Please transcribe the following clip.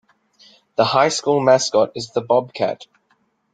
The high school mascot is the Bobcat.